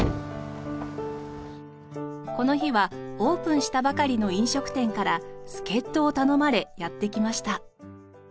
この日はオープンしたばかりの飲食店から助っ人を頼まれやってきました。